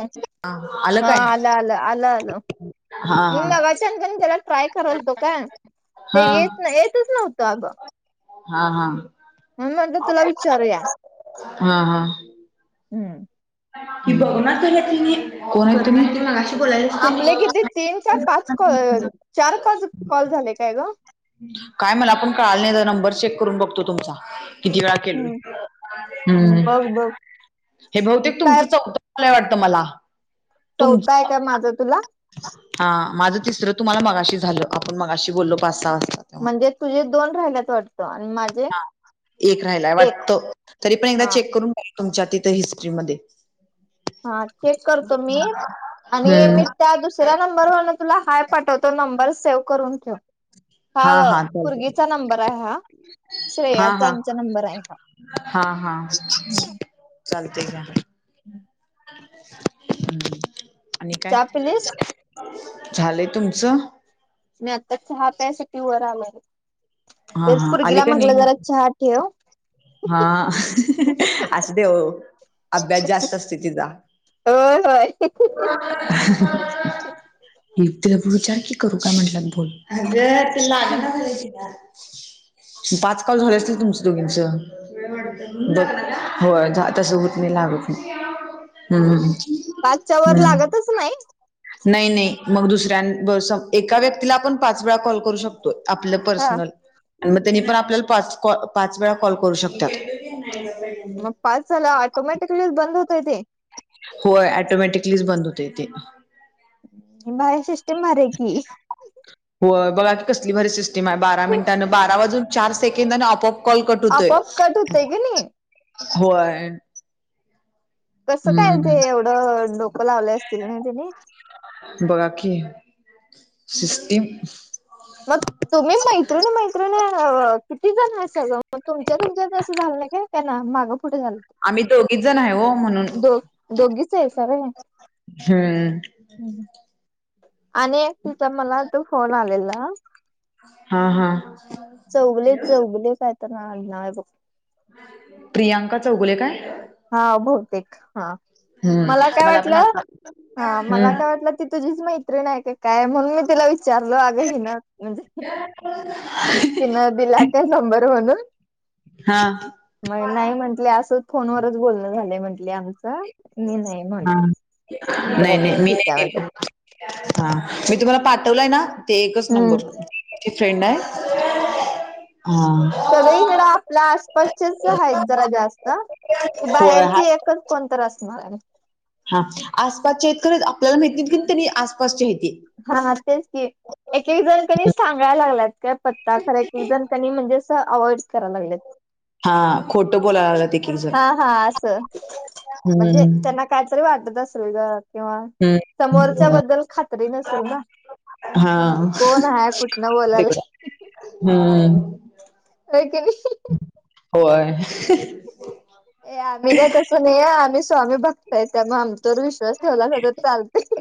हा, आलं काय आलं‌ आलं आलं आलं हा मी मघाशी. [inaudible] त्याला ट्राय करालतो काय, हा ते येत नाय, येतच नव्हतं अगं. हा, हा. म्हणून म्हटलं तुला विचारूया. हा, हा. हम्म. की बघणार त्याला तिने, कोणाला [unintelligible] मघाशी बोलायला. आपले किती‌ तीन का पाच कॉल चार कॉल, कॉल झाले काय गं. काय मला पण कळालं नाही, जरा नंबर चेक करून बघतो तुमचा. किती वेळा केलोय, हम्म हम्म बघ बघ हे बहुतेक काय तुमचं [unintelligible] मला. चौथा आहे तुमचं का माझं तुला? हा माझं तिसरं, तुम्हाला मगाशी झालं. आपण मगाशी बोललो पाच-सहा वाजता. तेव्हा म्हणजे तुझे दोन राहिल्याच वाटतं आणि माझे? एक राहिलाय एक वाटतं, तरी पण एकदा हा चेक करून घ्या तुमच्या तिथं हिस्ट्रीमध्ये. हा चेक करतो मी, आणि मी त्या दुस दुसऱ्या नंबरवरून तुला हाय पाठवतो, नंबर सेव्ह करून ठेव. हा पोरगी चा नंबर आहे हा. श्रेयाचा आमच्या नंबर आहे हा. हां हां. चालते का? हम्म. आणि काय चहा पिलीस? झालंय तुमचं? मी आता चहा प्यायसाठी वर आलोय, हा तेच हा आली पोरगीला का म्हंटल नाही जरा चहा ठेव. हा, असू द्या ओ, अभ्यास जास्त असतंय तिचा. होय होय. ये तिला विचार की, करू का म्हटलं मी फोन. अगं ते लागना झालाय तिला, पाच कॉल झाले असतील तुमच्या दोघींचं. बट, होय झा तसं होत नाही, लागत नाही. हम्म हम्म. तसं नाही. नाही नाही मग दुसऱ्या एका, व्यक्तीला आपण पाच वेळा कॉल करू शक आपलं हा पर्सनल मग त्यांनी पण आपल्याला पाच कॉ पाच वेळा कॉल करू शकत्यात. [unintelligible] मग पाच झाल्यावर ऑटोमॅटिकलीच बंद होतय तेे. होय ऑटोमॅटिकलीच बंद होतंय ते. पण बाहेर सिस्टीम भारी आहे की. होय बघा की कसली भारी सिस्टम आहे, बारा मिनटानं बारा वाजून चार सेकंड आणि ऑप ऑफ कॉल कट होतोय, आपोआप कट होतय की नाही. होय. कसं काय ते हम्म एवढं डोकं लावले असतील ना, त्याने. बागा की सिस्टिम. मग. तुम्ही मैत्रिण मैत्रिण किती जण आहे ग? तुमच्या तुमच्यात असं झालं ना का? त्यांना मागं पुढे झालंत आम्ही दोघीच जण आहे हो, म्हणून. दो दोघीच आहेसा होय. हम्म. हम, आणि तिच्या मला तू फोन आलेल? हा हा. चौगले चौगले काय तर आडनाव आहे बघ. प्रियांका चौगुले काय? हा बहुतेक हा. मला हम्म काय पण वाटलं, आलता हा मला काय हम्म वाटलं, ती तुझीच मैत्रीण. त्रीन आहे की काय, म्हणून मी तिला विचारलं अगं ही ना म्हणजे. [unintelligible] तिन दिला तर नंबर म्हणून हा. मग नाही म्हंटले असंच फोनवरच बोलणं झालंय म्हंटले आमचं नाही नाही. हा म्हटले नाही बरं बर नाही मी ठीक नाही आहे म्हटलं गेल हा मी तुम्हाला पाठवलंय ना ते एकच हम्म नंबर. ती फ्रेंड आहे हा. सगळीकडे आपल्या आसपासचेच आहेत जरा जास्त की होय हाय बाहेरचे एकच. कोण तर असणार आणि हा आसपासच्या आहेत खरंच आपल्याला माहिती की तनी आसपासच्या आहे ती. हा तेच की एक एक जण कणी सांगायला लागलात का पत् त खरं एक एक जण म्हणजे असं अवॉइड्स करायला लागलेत. हा खोटं बोलायला लागलेत. हा हा असं म्हणजे हम्म त्यांना काहीतरी वाटत असेल ग. किंवा समोरच्या हम्म. बद्दल खात्री नसेल ना. हा कोण आहे कुठन बोलालय तिकडं हम्म. होय की नाही. होय. ए आम्ही काय तसं नाही आहे आम्ही स्वामी भक्त त्यामुळे आमच्यावर विश्वास ठेवलासा तर चालतय.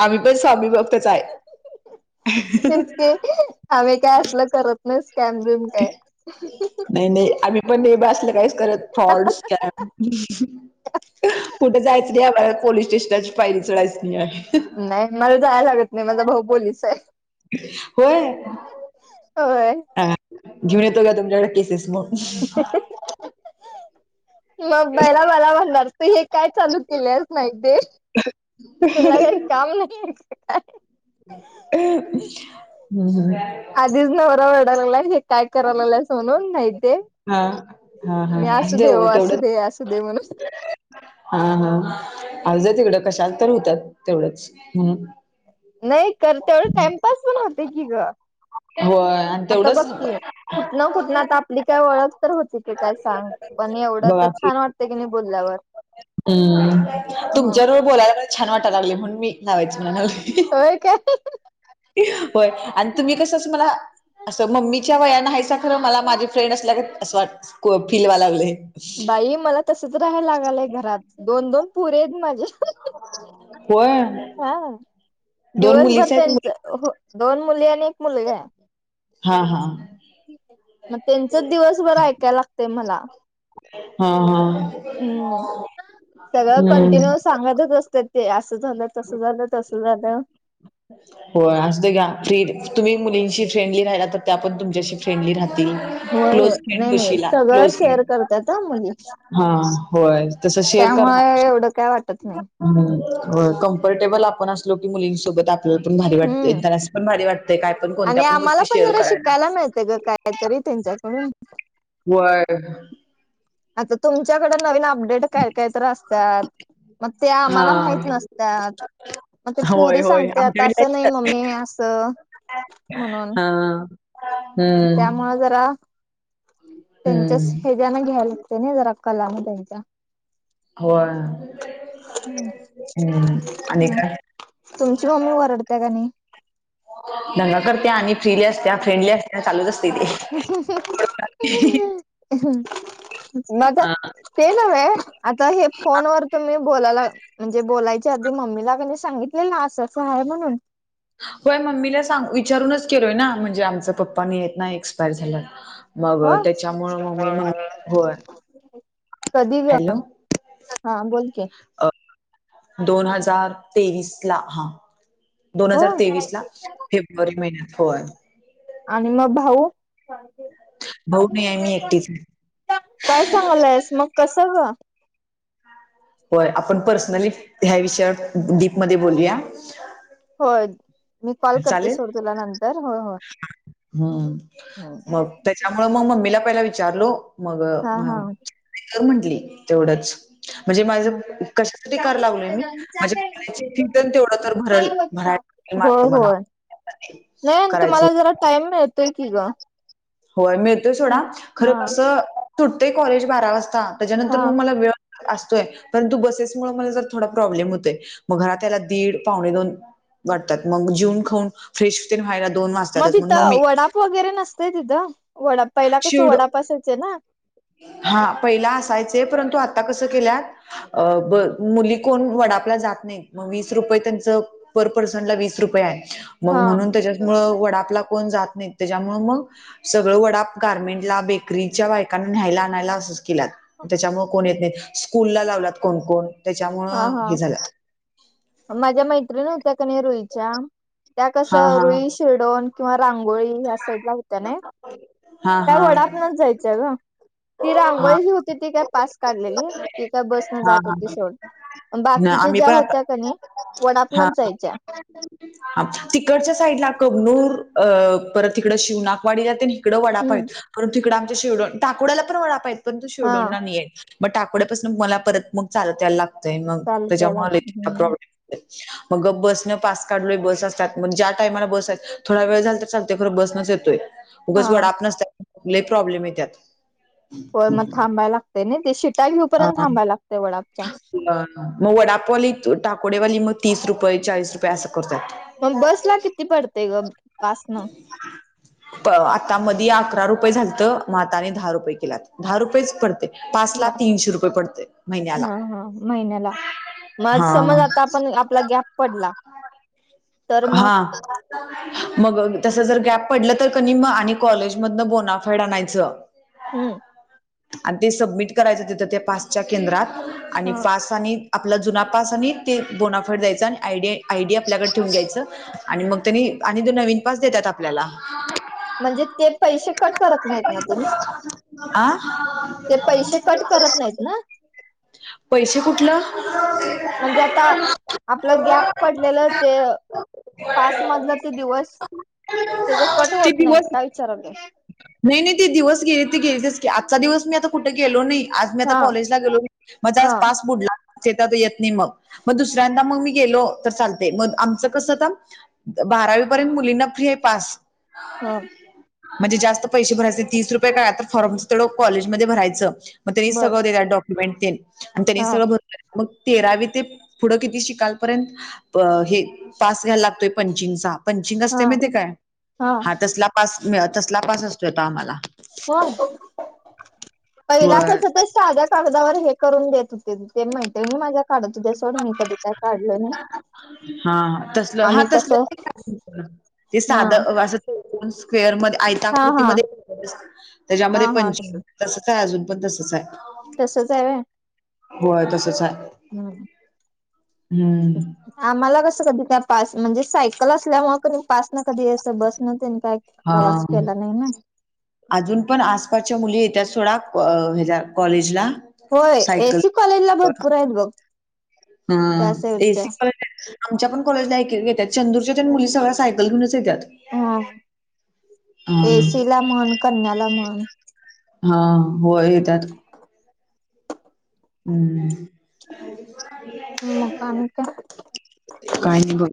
आम्ही पण स्वामी भक्तच आहे. च आम्ही काय असल करत नाही स्कॅम बिम काय. नाही नाही आम्ही बा काहीच करत फ्रॉड, स्कॅम कुठे जायचं नाही आहे मला पोलीस स्टेशनाची पायरी चढायची नाही आहे. नाही मला जायला लागत नाही माझा भाऊ पोलीस आहे. होय होय. अ घेऊन येतो का तुमच्याकड केसेस मग. [unintelligible] मग पहीला मला म्हणणार तू हे काय चालू केल्यास नाईट डे तुला काय काम नाहीये काय. [unintelligible] हम्म. हम्म. आधीच नवरा वरडाय लागलाय हे काय करायला लागलाय हे म्हणून नाही ते. हा हा हा मी असू असुदे दे, हो ओ असू तेवढंच दे, असू दे म्हणून. हा हा अज तिकडं कशाल तर होतात तेवढंच. नाही कर तेवढ टाइमपास पण होते की ग. होय आणि आता बघ तेवढंच की कुठन कुठन त आपली काय ओळख तर होती की काय सांग, पण एवढं तर छान वाटत की नाही बोलल्यावर. हम्म हम्म तुमच्या बरोबर बोलायला छान वाटायला लागली म्हणून मी लावायच म्हणाले. होय काय? होय आणि तुम्ही कसं मला असं मम्मीच्या वयान हायसा. खरं मला माझी फ्रेंड असल्यागत असं वाट फील व्हायला लागलय. बाई मला तसच राहायला लागालय घरात दोन दोन पुरी आहेत माझ्या. होय हा दोन दिवसभर मुलीच आहेत त्यांचं हो दोन मुली आणि एक मुलगा आहे. हा. हा. मग त्यांचच दिवसभर ऐकाय लागतय मला. हां हां. हम्म सगळं हम्म कंटिन्यू सांगतच असत्यात ते असं झालं, तसं झाल, तस [unintelligible] हो असुद्या का फ्री तुम्ही मुलींशी फ्रेंडली राहिला तर त्या पण तुमच्याशी फ्रेंडली राह तील होय क्लोज होय फ्रेंड नाही नाही होशीला, सगळं क्लोज शेअर फ्रेंड करतात हा मुली हा होय तस शेअर करणार. त्यामुळे एवढं काय वाटत नाही. हम्म होय कम्फर्टेबल आपण असलो की मुलींसोबत आपल्याला पण भारी वाटतंय हम्म त्यांनास पण भारी वाटतेय काय पण कोणत्या पण गोष्टी शेअर करायला. काय माहिती ग काय कायतरी त्यांच्याकडून व्हय. आता तुमच्याकडे नवीन अपडेट काय काय तर असत्यात. मग त्या आम्हाला माहित हा नसत्यात. मग ते होय पोरी होय सांगत्यात असं नाही मम्मी असं. हां. त्यामुळ जरा त्यांच्याच हम्म हे ना घ्यायला लागतय ना जरा कलान त्यांच्या. होय हम्म हम्म आणि काय? तुमची मम्मी वरडते का नाही? दंगा करत्या आणि फ्रीली असत्या, फ्रेंडली असत्या. चालूच असतंय ते. मग? हा ते नव्हे आता हे फोन वर तुम्ही बोलायलात म्हणजे बोलायच्या आधी मम्मीला कनय सांगितलेलं असं असं हाय म्हणून? होय मम्मीला सांग विचारूनच केलोय ना म्हणजे आमच पप्पा नाहीयेत ना एक्सपायर झालेत. हो होय कधी ग? हॅलो हा बोल की. अ दोन हजार तेवीसला हा दोन हो हजार तेवीसला फे ब्रुवारी महिन्यात होय. आणि मग भाऊ? भाऊ नाही आहे मी एकटीच आहे. काय सांगलायस मग कसं ग? होय आपण पर्सनली ह्या विषयावर डीपमध्ये बोलूया. होय मी कॉल करते चालेल सोड तुला नंतर होय होय हम्म. त्याच्यामुळ मग मम्मीला पहिला विचारलो मग हा म हा कर म्हंटली तेवढंच. म्हणजे माझं कशासाठी कारलागलोय मी म्हणजे [unintelligible] तेवढं तर भरल होय भरायला मला होय नाही करायच तुम्हाला होत. जरा टाईम मिळ तोय की ग. होय मिळतोय सोडा खरं हा कसं सुटतंय कॉलेज बारा वाज त्याच्यानंतर हा मग मला वेळ असतोय परंतु बसेस मुळ मला जरा थोडा प्रॉब्लेम होतोय मग घरात याला दीड, पावणे दोन वाटतात मग जीवन खाऊन फ्रेश तेन व्हायला दोन वाजतातच मग मी वडाप वगैरे नसते तिथं वडाप पहिला कसं शिवड वडाप असायचे ना? हा पहिले असायचे परंतु आता कसं केल्यात अ ब मुली कोण वडापला जात नाही. वीस रुपये त्यांच पर पर्सनला वीस रुपये. मग हा म्हणून त्याच्यामुळ वडापला कोण जात नाही त्याच्यामुळ मग सगळं वडा. गार्मेंट ला बेकरीच्या बायकांना न्यायला आणायला अस. केलात त्याच्यामुळ कोण येत नाही स्कूल लावलात कोण कोण त्याच्यामु हा हा हे झालं. माझ्या मैत्रिणी होत्या क नाही रोईच्या त्या कस हा हा रोई. शिरडोन किंवा रांगोळी या साईड ला होत्या नाय. हा त्याय हा वडापनच जायचं ग ती हा रांगोळी हा ही होती ती काय पास काढलेली. की काय बसन जात होती हा सोड बाकीच्या आम्ही ज्या पण आता होत्या का नाही वडापलाच हा जायच्या. हा तिकडच्या साईडला कबनूर अ परत तिकड. शिवनाकवाडी जाते तिकडे वडाप हम्म आहेत परंत तिकडं आमच्या शेडो टाकडला पणडा पा आहेत परंत तू हा शेवडोंना नाहीयेत बट आकोड्यापासून मग मला परत मग चालतायला लागतंय मग चालत याय त्याच्यामुळे लागत हम्म प्रॉब्लेम. मग बसन पा. काढ बस असतात मग ज्या टायमाला बस आहेत थोडा वेळ झाल तर चालते खरं बसनच येतोय उगच हा वडाप नसतात लय प्रॉब्लेम येतात. हो मग थांबाय लागते ना ते शिटा येऊ पर्यंत हा. थांबाय. लागते वडापच्या मग वडापवाली टाकोडेवाली मग तीस रुपये चाळीस रुपये असं करतात मग बसला किती पडते ग पासनं. आता मध अकरा रुपये झाल तर म आता आणि दहा. रुपये केलात दहा रुपयेच पडते हा पासला तीनशे रुपये पडते महिन्याला. माझ समज हा. आता आपण आपला गॅप पडला. तर मग हा. मग तस जर गॅप पडलं तर क म आणि कॉलेजमधन. बोनाफेड आणायचं हम्म. आणि ते सबमिट करायचं तेथ त्या पास्च्या केंद्रात आणि हा पा. आपला जुना पास आणि बोनाफाईट द्यायचा आयडी आयडी आपल्याकडे. ून घ्यायचं आणि मग त्यांनी आणि दो नवीन पास देतात आपल्याला म्हणजे ते पैसे कट करत नाहीत ना तुम्ही आ ते पैसे. कट करत नाहीत ना. पैसे कुठलं. म्हणजे आता आपलं गॅप पडलेलं ते. पाच मधलं ते दिवस त्याचा कट ते होत नाहीत दिवस काय विचारायलोय. नाही नाही ती दिवस गेली ती गेलीच की आजचा दिवस मी आता कुठे गेलो नाही आज मी आता हा कॉलेजला गेलो. माझा आज हा पास बुडला. ते आता येत नाही मग मग दुसऱ्यांदा मग मी गेलो तर चालते मग आमचं कसं तर. बारावी पर्यंत मुलींना फ्री आहे पास. हा. म्हणजे जास्त पैसे भरायचे तीस रुपये काय फॉर्म तेवढं कॉलेजमध्ये भरायचं. मग त्यांनी बर सगळं देतात डॉक्युमेंट तेन आणि त्यांनी हा सगळ भर. मग तेरावी ते पुढं किती शिकालपर्यंत. हे पास घ्याय लागतोय पंचिंगचा. पंचिंग असते हा माहिते काय हा तसला पास तसला पास असतोय आता आम्हाला. हो पहिली व जात होतीस. माझ्या कागदावर हे करून देत होते ते मैत्रीणी माझ्या काढत होत्या सोड मी. कधी काय काढल नाही हा हा तसल हा आम्ही तसलं कसं पण काढ. ते हा साध आ स. स्क्वेअर मधे आयता हा हा कृतीमध्ये हा त्याच्यामध्ये हा तस पंचिंग तसच आहे अजून पण तसच आहे. तसंच आहे व्हय. होय तसंच हाय. हम्म हम्म आम्हाला कसं कधी काय पास म्हणजे सायकल असल्यामुळे कधी पास न कधी अस बस न तेन काय. हा.. प्रवास केला नाही ना अजून पण आसपासच्या मुली येत्यात सोडा हेच्या कॉलेजला. होय सायकल एसी कॉलेजला भरपूर आहेत बघ. हा त्या साईडच्या एसी कॉलेज आमच्या पण कॉलेजला येत्यात चंदूरच्या तेनं मुली सगळ्या सायकल घेऊनच येत्यात. हा एसी हा ला म्हन कन्याला म्हन. हा हो येत्यात. हम्म मग आणि काय काही नाही बघ.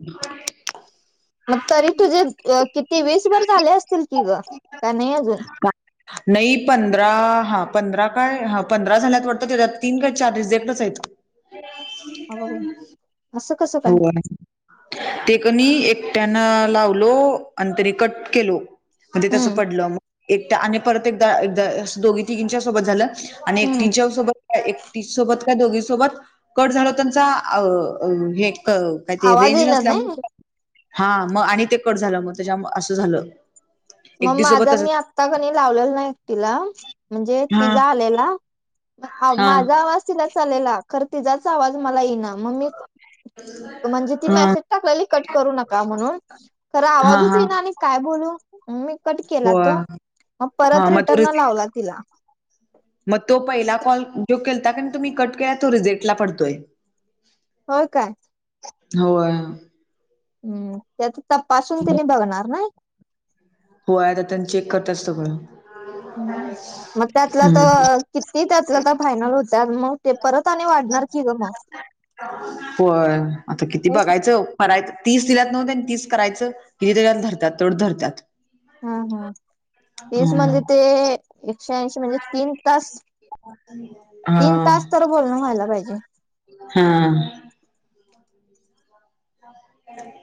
मग तरी तुझे किती वीसभर झाले असतील की ग का नाही अजून. नाही पंधरा हा पंधरा काय ह पंधरा झाल्यात वाटतं त्याच्यात तीन का चार रीझेक्टच आहेत. अगं बाई. असं कसं काय होव [unintelligible] ते कणी एकट्यान लावलो आणि तरि कट केलो. म्हणजे तसं हम्म पडलं मग एकटा आणि परत एकदा, एकदा दोघी तींघी च्या सोबत झालं आणि हम्म एकटीच्या सोबत एकटी सोबत त्या दोघीसोबत कट झाल त्यांचा अ हे करते. काय ते आवाज रेंज येईना नाही नसल्यामुळे हा मग आणि ते कट झालं मग त्याच्या असं झालं. मग एकटी सोबत माझा तसं मी आत्ता कणी लावलेला ना एकतीला. म्हणजे हा तिझा आलेला पण हा माझा आवाज. तिला चालेला खर तिजाच आवाज मला येईना मग मी म्हणजे ती हा मेसेज टाकलेली कट करू नका म्हणून, खर हा आवाजच हा येई ना आणि काय बोलू मी कट केला तो, होय. मग परत हां मग तो रिटर्न रिजेक्ट लावला तिला- मग तो पहिला कॉल जो केलता कान तुम्ही कट केला तो रिझेल्टला पडतोय. हो काय. होय हम्म त्यात तपासून तीनी बघणार नाय, हो आता त्यांचि चेक करतात सगळं, मग त्यातला हम्म तर किती त्यातलं तर फायनल होता मग ते परत आणि वाट होय आता किती बघायचं. करायच तीस दिल्यात नव्ह त्यानी तीस करायचं किेजे धरतात तेवढ्यात धरत्यात. हा हा तेच म्हणजे हम्म ते, एकशे ऐंशी म्हणजे तीन तास, तीन तास हां तर बोलणं व्हायला पाहिजे. हा ह ह [inaudible]